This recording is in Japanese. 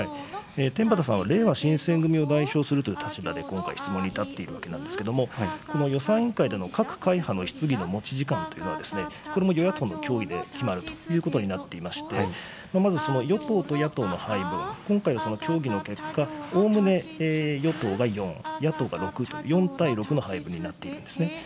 天畠さんは、れいわ新選組を代表するという立場で、今回質問に立っているわけなんですけども、この予算委員会での各会派の質疑の持ち時間というのは、これも与野党の協議で決まるということになっていまして、まず、その与党と野党の、今回、協議の結果、おおむね与党が４、野党が６と、４対６の配分になっているんですね。